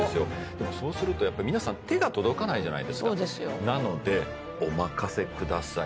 でもそうするとやっぱり皆さん手が届かないじゃないですかそうですよなのでお任せください